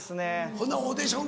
ほなオーディション